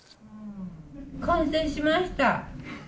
完成しました。